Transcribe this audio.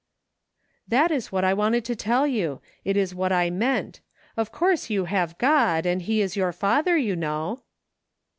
" That is what I wanted to tell you ; it is what I meant ; of course you have God, and he is your Father, you know."